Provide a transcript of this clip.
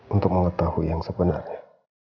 untuk mengetahui yang sebenarnya